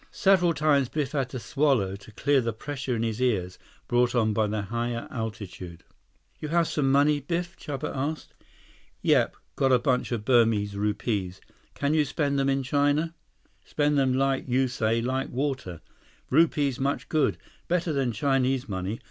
Several times Biff had to swallow to clear the pressure in his ears, brought on by the higher altitude. "You have some money, Biff?" Chuba asked. "Yep. Got a bunch of Burmese rupees. Can you spend them in China?" "Spend them like you say like water. Rupees much good. Better than Chinese money.